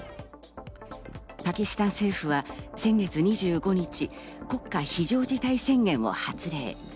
パキスタン政府は先月２５日、国家非常事態宣言を発令。